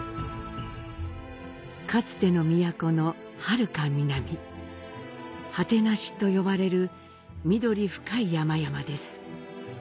かつての都のはるか南、「果無」と呼ばれる緑深い山々です。